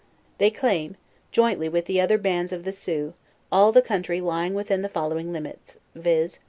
They claim, jointly with the other band of the Sioux, all the coun try lying within the following limits, viz.